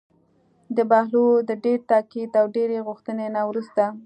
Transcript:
د بهلول د ډېر تاکید او ډېرې غوښتنې نه وروسته.